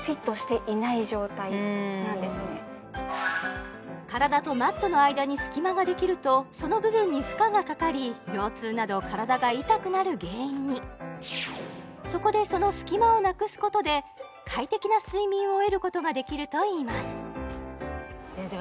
そういうのが体とマットの間に隙間ができるとその部分に負荷がかかり腰痛など体が痛くなる原因にそこでその隙間をなくすことで快適な睡眠を得ることができるといいます先生